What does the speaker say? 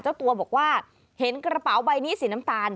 เจ้าตัวบอกว่าเห็นกระเป๋าใบนี้สีน้ำตาล